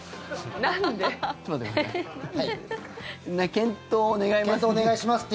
検討願いますって。